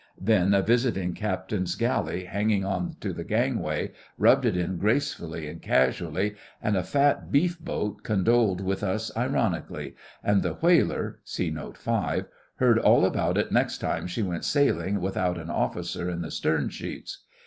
Then a visiting Captain's galley hanging on to the gangway rubbed it in gracefully and casually, and a fat beef boat condoled with us ironically, and the whaler (see Note V.) heard all about it next time she went sailing without an officer in the stern sheets.